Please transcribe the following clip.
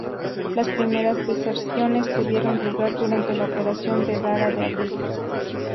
Las primeras deserciones tuvieron lugar durante la operación de Daraa de Abril.